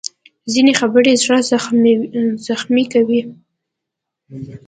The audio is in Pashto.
ځینې خبرې زړه زخمي کوي